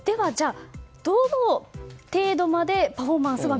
どの程度までパフォーマンスが